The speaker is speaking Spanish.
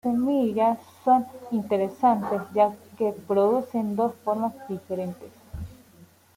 Las semillas son interesantes ya que se producen dos formas diferentes.